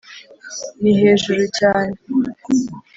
ni 'hejuru cyane